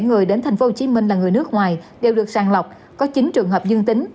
bảy người đến tp hcm là người nước ngoài đều được sàng lọc có chín trường hợp dương tính